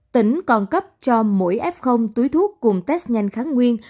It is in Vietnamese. tỉnh còn cấp cho mỗi f túi thuốc cùng test nhanh kháng nguyên